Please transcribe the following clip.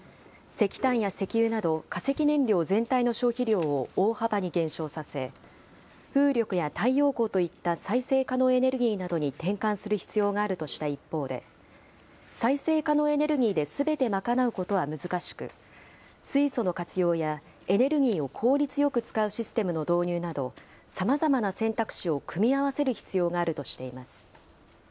石炭や石油など化石燃料全体の消費量を大幅に減少させ風力や太陽光といった再生可能エネルギーなどに転換する必要があるとした一方で再生可能エネルギーですべて賄うことは難しく水素の活用やエネルギーを効率よく使うシステムの導入などさまざまな選択肢を組み合わせる必要があるとしています。